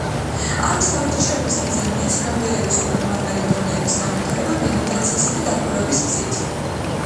ამ სავარჯიშოების მიზანია ცნობიერების უფრო მაღალი დონეების განვითარება მედიტაციისა და დაკვირვების გზით.